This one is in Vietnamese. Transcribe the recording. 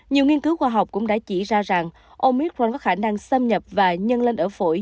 nhiều nghiên cứu khoa học cũng đã chỉ ra rằng omicron có khả năng xâm nhập và nhân lên ở phổi